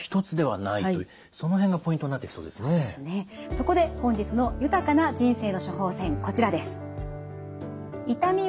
そこで本日の「豊かな人生の処方せん」